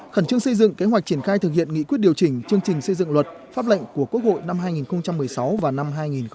khẩn trương xây dựng kế hoạch triển khai thực hiện nghị quyết điều chỉnh chương trình xây dựng luật pháp lệnh của quốc hội năm hai nghìn một mươi sáu và năm hai nghìn một mươi chín